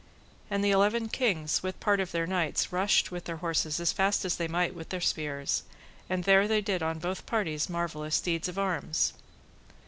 And the eleven kings with part of their knights rushed with their horses as fast as they might with their spears, and there they did on both parties marvellous deeds of arms.